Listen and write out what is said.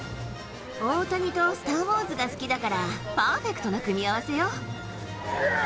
大谷とスター・ウォーズが好きだから、パーフェクトな組み合わせよ。